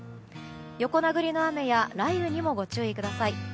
横殴りの雨や雷雨にもご注意ください。